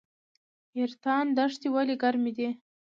حیرتان دښتې ولې ګرمې دي؟